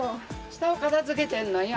下を片づけてんのよ。